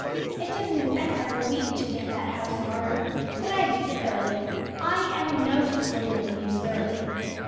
It took me the best part of a week to get that house in order, but I did it thoroughly. I am noted for doing things thoroughly.